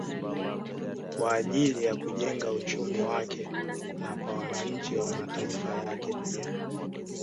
Kwa ajili ya kuujenga uchumi wake na kwa wananchi wa mataifa yake pia